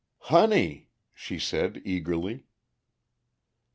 "Honey," she said eagerly.